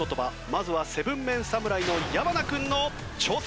まずは７ＭＥＮ侍の矢花君の挑戦です。